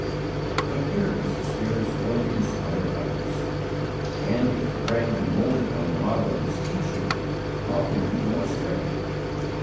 But here is the Spirit's own inspired utterance, and, if the praying be moulded on the model of His teaching, how can we go astray?